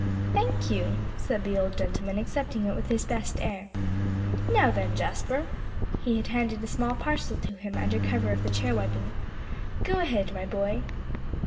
"Thank you," said the old gentleman, accepting it with his best air. "Now then, Jasper" he had handed a small parcel to him under cover of the chair wiping "go ahead, my boy."